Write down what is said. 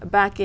cô có có